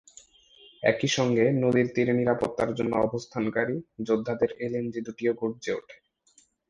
একই সঙ্গে নদীর তীরে নিরাপত্তার জন্য অবস্থানকারী যোদ্ধাদের এলএমজি দুটিও গর্জে ওঠে।